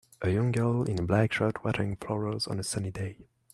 A young girl in a black shirt watering flowers on a sunny day